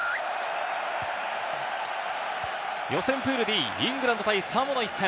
予選プールＤ、イングランド対サモアの一戦。